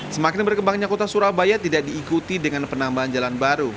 semakin berkembangnya kota surabaya tidak diikuti dengan penambahan jalan baru